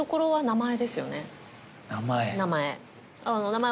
名前。